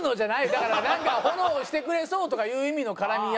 だからなんかフォローしてくれそうとかいう意味の絡みやすそうよ。